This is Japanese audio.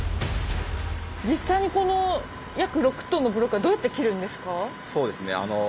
実際にこの約６ｔのブロックはどうやって切るんですか？